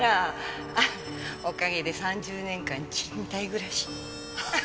おかげで３０年間賃貸暮らし。